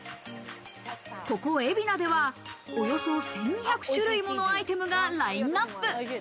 ここ海老名では、およそ１２００種類ものアイテムがラインナップ。